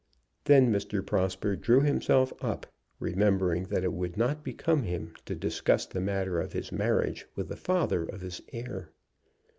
Then Mr. Prosper drew himself up, remembering that it would not become him to discuss the matter of his marriage with the father of his heir.